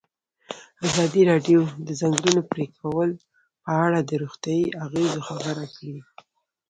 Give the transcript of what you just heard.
ازادي راډیو د د ځنګلونو پرېکول په اړه د روغتیایي اغېزو خبره کړې.